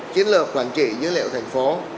chiến lược quản trị dữ liệu thành phố